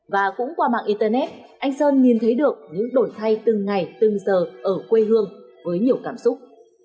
và cũng qua mạng internet anh sơn nhìn thấy được những đổi thay từng ngày từng giờ ở quê hương với nhiều cảm xúc